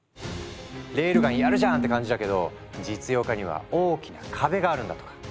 「レールガンやるじゃん！」って感じだけど実用化には大きな壁があるんだとか。